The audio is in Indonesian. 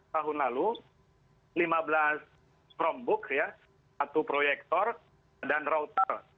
tahun lalu lima belas from book ya satu proyektor dan router